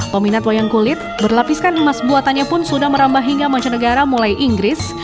peminat wayang kulit berlapiskan emas buatannya pun sudah merambah hingga mancanegara mulai inggris